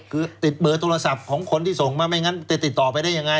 คือติดเบอร์โทรศัพท์ของคนที่ส่งมาไม่งั้นจะติดต่อไปได้ยังไง